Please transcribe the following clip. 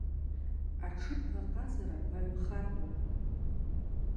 Аҽыбӷаҟазара баҩхатәроуп.